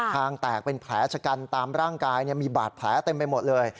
งแตกเป็นแผลชะกันตามร่างกายมีบาดแผลเต็มไปหมดเลย